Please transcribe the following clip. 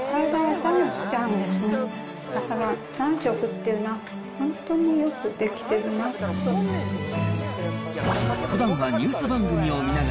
だから３食っていうのは本当によく出来てるな。